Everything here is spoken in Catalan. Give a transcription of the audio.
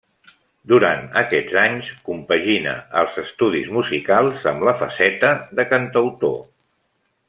Durant aquests anys, compagina els estudis musicals amb la faceta de cantautor.